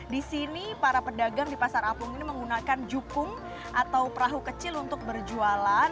di sini para pedagang di pasar apung ini menggunakan jukung atau perahu kecil untuk berjualan